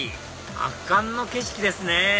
圧巻の景色ですね